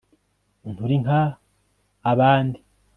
nturi nka abandi